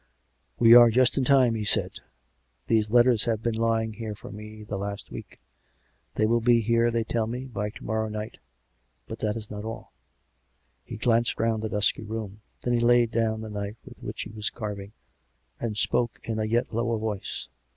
" We are just in time," he said. " These letters have been lying here for me the last week. They will be here, they tell me, by to morrow night. But that is not all ——" He glanced round the dusky room; then he laid down the knife with which he was carving; and spoke in a yet lower voice.